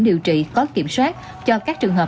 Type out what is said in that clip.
điều trị có kiểm soát cho các trường hợp